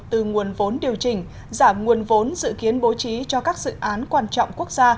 từ nguồn vốn điều chỉnh giảm nguồn vốn dự kiến bố trí cho các dự án quan trọng quốc gia